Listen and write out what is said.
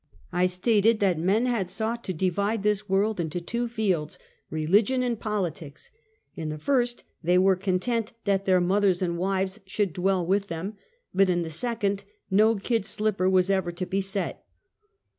1 stated that men had sought to divide this world into two fields — religion and politics. In the first, they were content that their mothers and wives should dwell with them, but in the second, no kid slip per was ever to be set.